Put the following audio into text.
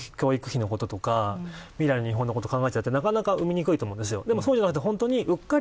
今は、教育費のこととか未来の日本のことを考えてなかなか産みにくいと思うんですよ。